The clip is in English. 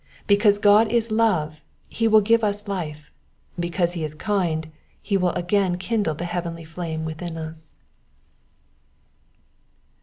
Because God is love he will give us life ; because he is kind he will again kindle the heavenly flame within us.